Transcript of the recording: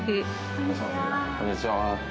こんにちは。